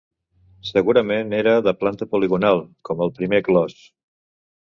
Segurament era de planta poligonal, com el primer clos.